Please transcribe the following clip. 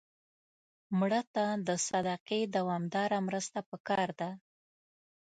مړه ته د صدقې دوامداره مرسته پکار ده